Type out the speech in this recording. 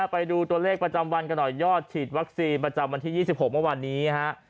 ไปดูตัวเลขประจำวันกันหน่อยยอดฉีดวัคซีนประจำวันที่๒๖เมื่อวานนี้ฮะ